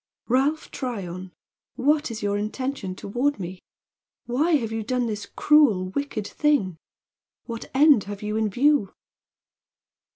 "Ralph Tryon! What is your intention toward me? Why have you done this cruel, wicked thing? What end have you in view?"